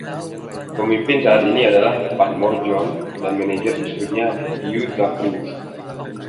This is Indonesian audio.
Pemimpin saat ini adalah Padmore John, dan manajer distriknya Eutha Prince.